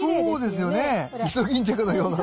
うんイソギンチャクのような。